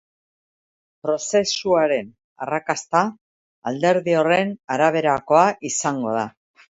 Prozesuaren arrakasta alderdi horren araberakoa izango da.